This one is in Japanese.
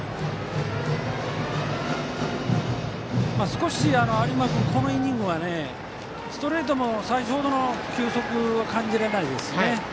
少し有馬君このイニングはストレートもさほど球速は感じられないですね。